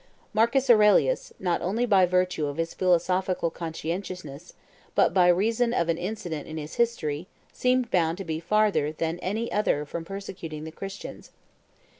Marcus Aurelius, not only by virtue of his philosophical conscientiousness, but by reason of an incident in his history, seemed bound to be farther than any other from persecuting the Christians.